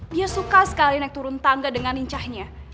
dia suka sekali naik turun tangga dengan lincahnya